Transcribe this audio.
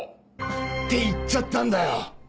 って言っちゃったんだよ！